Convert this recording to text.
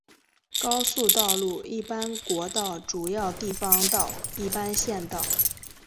高速道路一般国道主要地方道一般县道